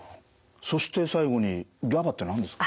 そして最後にＧＡＢＡって何です？